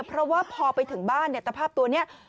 เพราะว่าพอไปถึงบ้านเนี่ยตะภาพตัวนี้